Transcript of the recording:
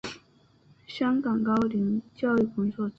香港高龄教育工作者联会副会长张钦灿是他小学时的老师。